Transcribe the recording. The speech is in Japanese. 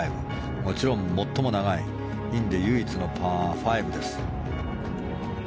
もちろん、最も長いインで唯一のパー５です。